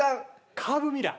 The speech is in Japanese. カーブミラー。